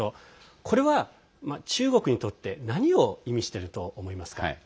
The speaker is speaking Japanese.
これは中国にとって何を意味してると思いますか。